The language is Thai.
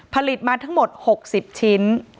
ผลิตมาทั้งหมด๖๐ชิ้น